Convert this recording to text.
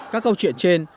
các câu chuyện trên